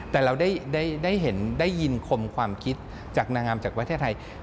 แต่เราได้เห็นได้ยินคมความคิดจากนางงามจากประเทศไทย